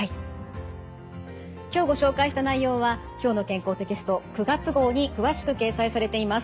今日ご紹介した内容は「きょうの健康」テキスト９月号に詳しく掲載されています。